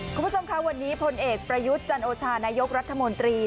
คุณผู้ชมค่ะวันนี้พลเอกประยุทธ์จันโอชานายกรัฐมนตรี